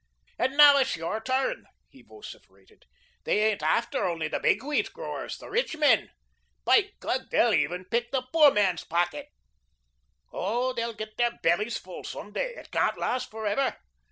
"And now it's your turn," he vociferated. "They ain't after only the big wheat growers, the rich men. By God, they'll even pick the poor man's pocket. Oh, they'll get their bellies full some day. It can't last forever.